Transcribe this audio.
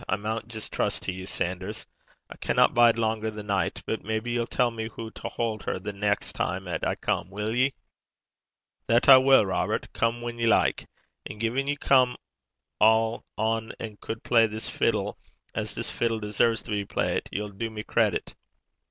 'I maun jist lippen (trust) to ye, Sanders. I canna bide langer the nicht; but maybe ye'll tell me hoo to haud her the neist time 'at I come will ye?' 'That I wull, Robert, come whan ye like. An' gin ye come o' ane 'at cud play this fiddle as this fiddle deserves to be playt, ye'll do me credit.'